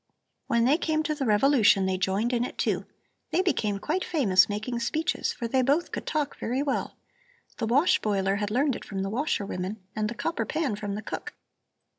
"When they came to the revolution they joined in it, too. They became quite famous making speeches, for they both could talk very well. The wash boiler had learned it from the washer women, and the copper pan from the cook.